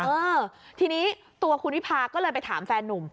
เออทีนี้ตัวคุณวิพาก็เลยไปถามแฟนนุ่ม